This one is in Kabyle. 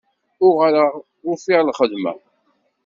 Uɣaleɣ ufiɣ lxedma.